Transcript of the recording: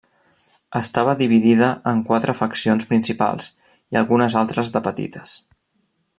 Estava dividida en quatre faccions principals i algunes altres de petites.